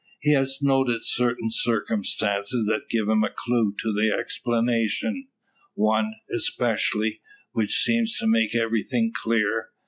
He has noted certain circumstances that give him a clue to the explanation; one, especially, which seems to make everything clear.